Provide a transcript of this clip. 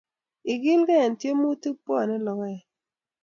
Ikilgei eng tiemutik pwoni logoek